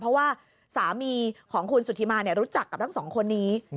เพราะว่าสามีของคุณสุธิมารู้จักกับทั้งสองคนนี้